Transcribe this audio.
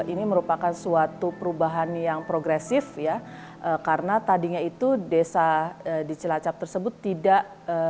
ini merupakan suatu perubahan yang progresif ya karena tadinya itu desa di cilacap tersebut tidak